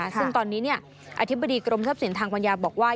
ซึ่งตอนนี้อธิบดีกรมทรัพย์สินทางปัญญาบอกว่า